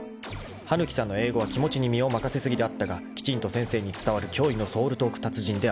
［羽貫さんの英語は気持ちに身を任せ過ぎであったがきちんと先生に伝わる驚異のソウルトーク達人である］